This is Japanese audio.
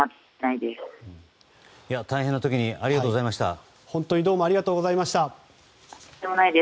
大変な時にありがとうございました。